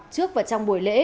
trước và trong buổi lễ